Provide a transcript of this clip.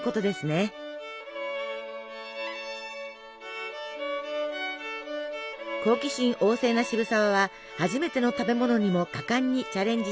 好奇心旺盛な渋沢は初めての食べ物にも果敢にチャレンジしていました。